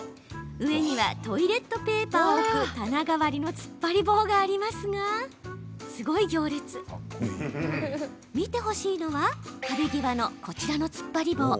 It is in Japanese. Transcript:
上にはトイレットペーパーを置く棚代わりのつっぱり棒がありますが見てほしいのは壁際のこちらのつっぱり棒。